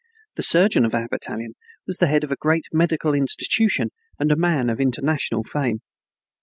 The surgeon of our battalion was the head of a great medical institution and a man of international fame.